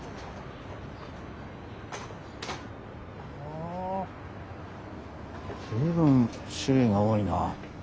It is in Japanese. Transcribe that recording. あ随分種類が多いな。